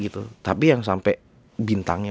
tapi yang sampai bintangnya